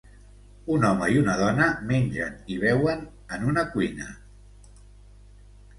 Un home i una dona mengen i beuen en una cuina.